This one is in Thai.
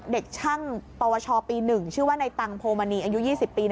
เด็กช่างปวชปี๑ชื่อว่าในตังโพมณีอายุ๒๐ปี